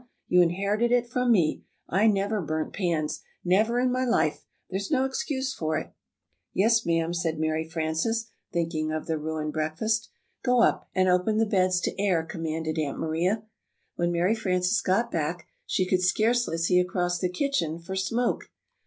You inherited it from me. I never burnt pans never in my life there's no excuse for it." "Yes, ma'am," said Mary Frances, thinking of the ruined breakfast. "Go up, and open the beds to air," commanded Aunt Maria. When Mary Frances got back, she could scarcely see across the kitchen for smoke.